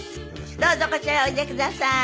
どうぞこちらへおいでください。